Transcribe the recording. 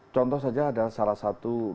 contoh saja ada salah satu